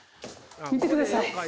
見てください。